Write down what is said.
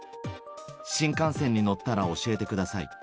新幹線に乗ったら教えてください。